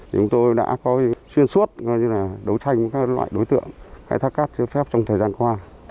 chúng tôi đã có chuyên suốt đấu tranh với các loại đối tượng khai thác cát trái phép trong thời gian qua